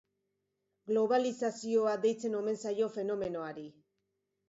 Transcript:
Globalizazioa deitzen omen zaio fenomenoari.